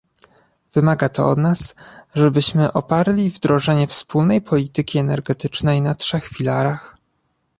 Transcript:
Wymaga to od nas, żebyśmy oparli wdrożenie wspólnej polityki energetycznej na trzech filarach